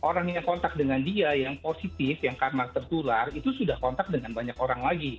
orang yang kontak dengan dia yang positif yang karena tertular itu sudah kontak dengan banyak orang lagi